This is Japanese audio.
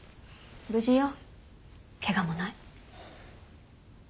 無事よケガもない。